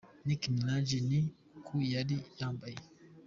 Nicki Minaj ni uku yari yambaye.